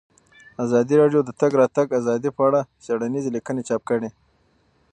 ازادي راډیو د د تګ راتګ ازادي په اړه څېړنیزې لیکنې چاپ کړي.